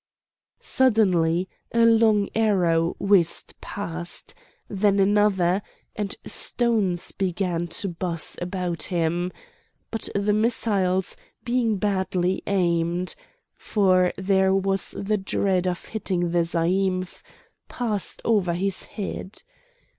Suddenly a long arrow whizzed past, then another, and stones began to buzz about him; but the missiles, being badly aimed (for there was the dread of hitting the zaïmph), passed over his head.